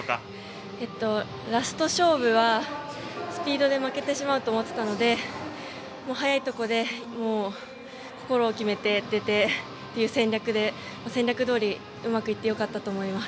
ラスト勝負はスピードで負けてしまうと思っていたので早いところで心を決めて出てという戦略で戦略どおりうまくいってよかったです。